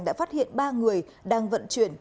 đã phát hiện ba người đang vận chuyển